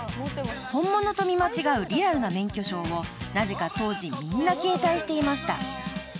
［本物と見間違うリアルな免許証をなぜか当時みんな携帯していました］